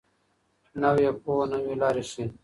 نوې پوهه نوې لارې ښيي.